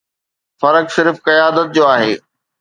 فرق صرف قيادت جو آهي.